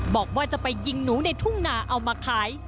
บอกว่าจะไปยิงหนูในทุ่งนาเอามาขาย